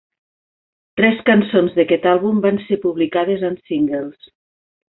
Tres cançons d'aquest àlbum van ser publicades en singles.